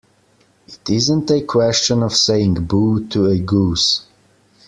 It isn't a question of saying 'boo' to a goose.